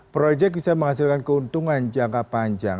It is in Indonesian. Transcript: proyek bisa menghasilkan keuntungan jangka panjang